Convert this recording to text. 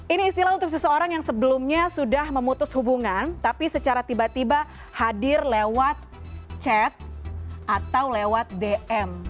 ini istilah untuk seseorang yang sebelumnya sudah memutus hubungan tapi secara tiba tiba hadir lewat chat atau lewat dm